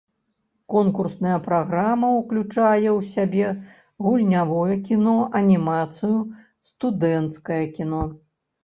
Конкурсная праграма ўключае ў сябе гульнявое кіно, анімацыю, студэнцкае кіно.